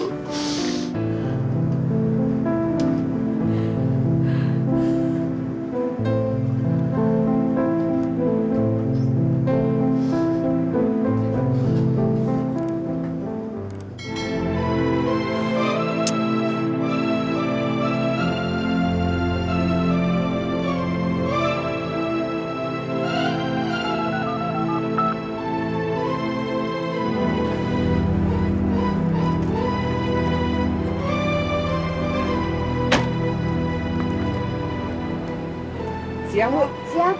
ya sudah hati hati ya